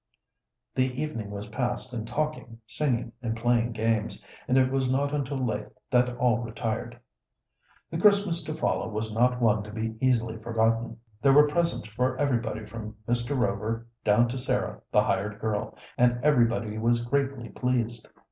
The evening was passed in talking, singing, and playing games, and it was not until late that all retired. The Christmas to follow was not one to be easily forgotten. There were presents for everybody, from Mr. Rover down to Sarah, the hired girl, and everybody was greatly pleased.